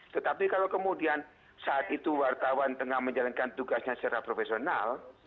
tetapi kalau kemudian saat itu wartawan tengah menjalankan tugasnya secara profesional